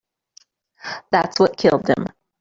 That's what killed him.